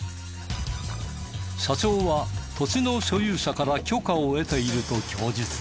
社長は土地の所有者から許可を得ていると供述。